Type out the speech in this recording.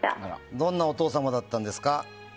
どんなお父様だったんですか？